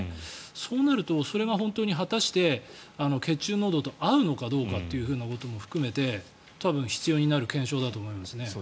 そうなると、それが本当に果たして血中濃度と合うのかどうかということも含めて多分、必要になる検証だと思いますね。